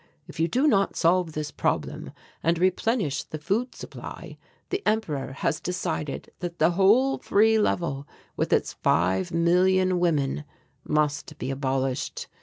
If you do not solve this problem and replenish the food supply, the Emperor has decided that the whole Free Level with its five million women must be abolished.